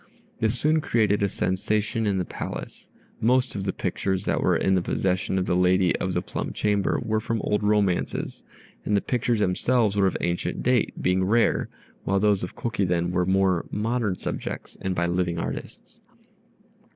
This soon created a sensation in the Palace. Most of the pictures that were in the possession of the lady of the plum chamber were from old romances, and the pictures themselves were of ancient date, being rare, while those of Kokiden were more modern subjects and by living artists.